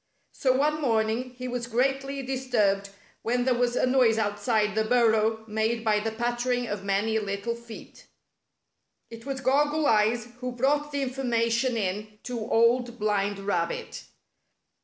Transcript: So one morning he was greatly disturbed when there was a noise outside the burrow made by the pattering of many little feet. It was Goggle Eyes who brought the information in to Old Blind Rabbit.